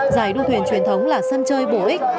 giải đua thuyền truyền thống là sân chơi bổ ích